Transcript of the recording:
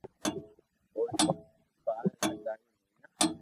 اوئي پار لاگاوئي نويا